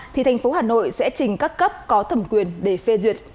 thì thành phố hà nội sẽ trình các cấp có thẩm quyền để phê duyệt